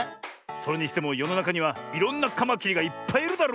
それにしてもよのなかにはいろんなカマキリがいっぱいいるだろう？